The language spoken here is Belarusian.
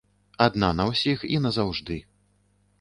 Адна на ўсіх і назаўжды.